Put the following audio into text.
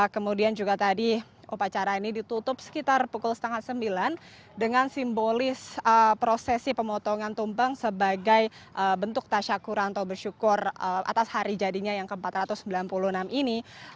kemudian juga tadi upacara ini ditutup sekitar pukul setengah sembilan dengan simbolis prosesi pemotongan tumpeng sebagai bentuk tasya kuranto bersyukur atas hari jadinya yang ke empat ratus sembilan puluh enam ini